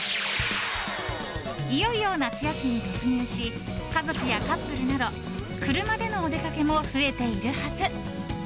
いよいよ夏休みに突入し家族やカップルなど車でのお出かけも増えているはず。